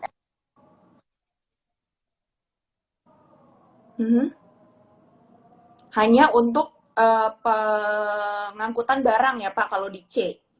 hanya untuk pengangkutan barang ya pak kalau di c